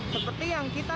seperti yang kita lihat